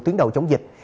tuyến đầu chống dịch